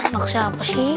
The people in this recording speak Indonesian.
maksimal apa sih